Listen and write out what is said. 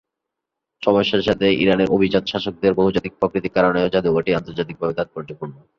সময়ের সাথে সাথে ইরানের অভিজাত শাসকদের বহুজাতিক প্রকৃতির কারণেও জাদুঘরটি আন্তর্জাতিকভাবে তাৎপর্যপূর্ণ।